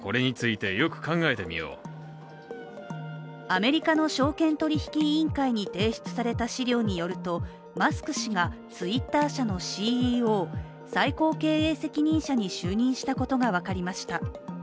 アメリカの証券取引委員会に提出された資料によるとマスク氏がＴｗｉｔｔｅｒ社のＣＥＯ＝最高経営責任者に就任したことが分かりました。